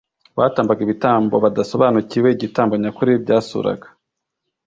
Batambaga ibitambo badasobanukiwe igitambo nyakuri byasuraga.